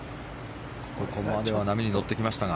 ここまでは波に乗ってきましたが。